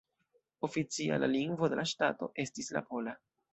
Oficiala lingvo de la ŝtato estis la pola.